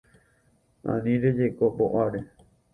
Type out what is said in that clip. Ani rejeko po'áre